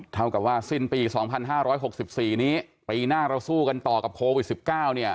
เท่ากับว่าสิ้นปี๒๕๖๔นี้ปีหน้าเราสู้กันต่อกับโควิด๑๙เนี่ย